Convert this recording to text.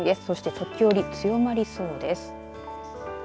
そしてときおり、強まりそうです。